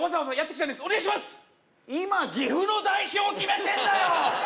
今岐阜の代表決めてんだよ！